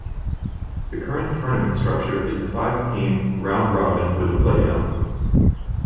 The current tournament structure is a five-team round-robin with a playdown.